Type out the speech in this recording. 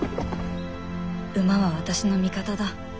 馬は私の味方だ。